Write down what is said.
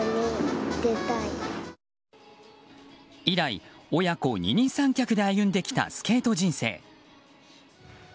以来、親子二人三脚で歩んできたスケート人生。